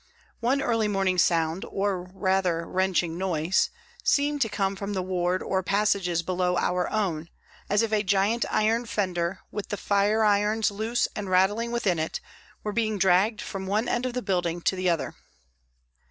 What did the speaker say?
One early morning sound, or rather wrenching noise, seemed to come from the ward or passages below our own, as if a giant iron fender, with the fireirons loose and rattling within it, were being dragged from one end of the building to the other.